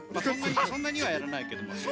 そんなにそんなにはやらないけども。